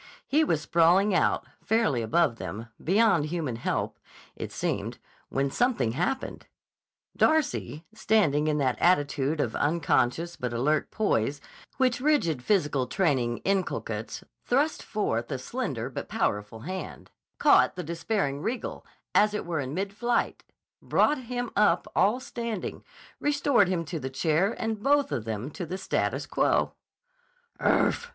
He was sprawling out, fairly above them, beyond human help, it seemed, when something happened. Darcy, standing in that attitude of unconscious but alert poise which rigid physical training inculcates, thrust forth a slender but powerful hand, caught the despairing Riegel, as it were in mid flight, brought him up all standing, restored him to the chair and both of them to the status quo. "Urf!"